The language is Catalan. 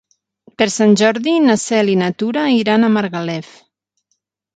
Per Sant Jordi na Cel i na Tura iran a Margalef.